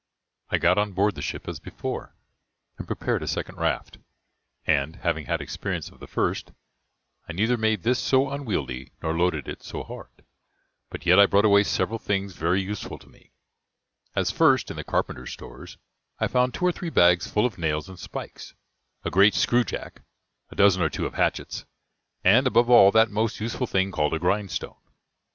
I got on board the ship as before, and prepared a second raft; and, having had experience of the first, I neither made this so unwieldy nor loaded it so hard, but yet I brought away several things very useful to me; as first, in the carpenter's stores I found two or three bags full of nails and spikes, a great screwjack, a dozen or two of hatchets, and, above all, that most useful thing called a grindstone.